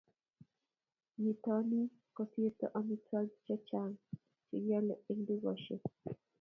nyitotin kosirto omitwogik chechang che kiole eng dukosiek